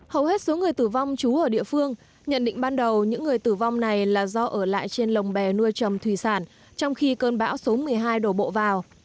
hầu hết số người tử vong trú ở địa phương nhận định ban đầu những người tử vong này là do ở lại trên lồng bè nuôi trầm thủy sản trong khi cơn bão số một mươi hai đổ bộ vào